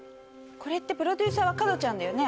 これってプロデューサーはカドちゃんだよね？